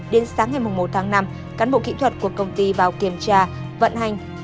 đến sáng ngày một tháng năm cán bộ kỹ thuật của công ty vào kiểm tra vận hành